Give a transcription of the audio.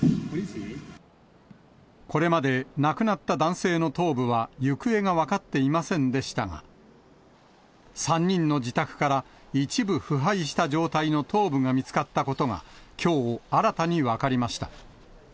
これまで亡くなった男性の頭部は行方が分かっていませんでしたが、３人の自宅から、一部腐敗した状態の頭部が見つかったことがきょう、新たに分かりました。